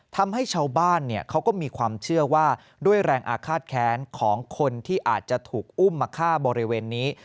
ทำให้ชาวบ้านเขาก็มีความเชื่อว่าด้วยแรงอาฆาตแค้นของคนที่อาจจะถูกอุ้มมาฆ่าบริเวณนี้